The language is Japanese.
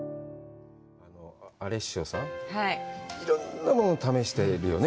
アレッシオさん、いろんなものを試しているよね。